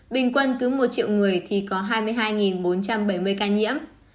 bình quân cứ một triệu người thì có hai mươi hai bốn trăm bảy mươi ca nhiễm